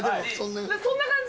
そんな感じ？